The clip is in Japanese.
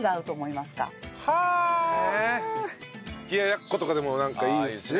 冷ややっことかでもいいですしね。